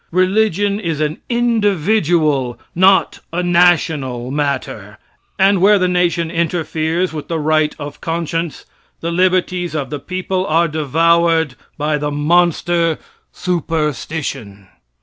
Religion is an individual not a national matter, and where the nation interferes with the right of conscience, the liberties of the people are devoured by the monster, superstition.